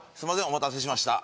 お待たせしました